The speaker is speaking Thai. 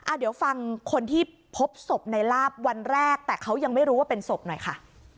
เดี๋ยวฟังคนที่พบศพในลาบวันแรกแต่เขายังไม่รู้ว่าเป็นศพหน่อยค่ะ